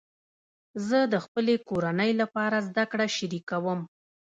زه د خپلې کورنۍ لپاره زده کړه شریکوم.